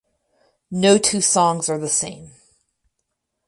No two songs are the same.